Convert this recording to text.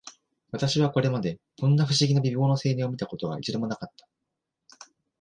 私はこれまで、こんな不思議な美貌の青年を見た事が、一度も無かった